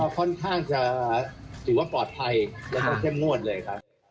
ค่อนข้างจะถือว่าปลอดภัยแล้วก็เข้มงวดเลยครับ